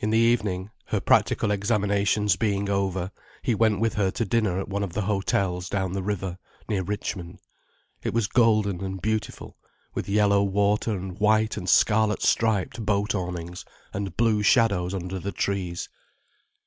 In the evening, her practical examinations being over, he went with her to dinner at one of the hotels down the river, near Richmond. It was golden and beautiful, with yellow water and white and scarlet striped boat awnings, and blue shadows under the trees.